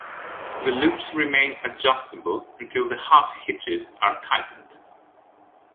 The loops remain adjustable until the half hitches are tightened.